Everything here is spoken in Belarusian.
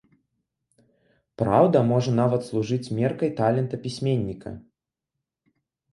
Праўда можа нават служыць меркай талента пісьменніка.